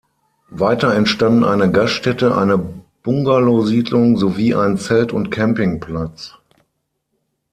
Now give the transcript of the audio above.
Weiter entstanden eine Gaststätte, eine Bungalowsiedlung sowie ein Zelt- und Campingplatz.